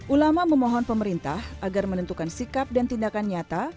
ulama memohon pemerintah agar menentukan sikap dan tindakan nyata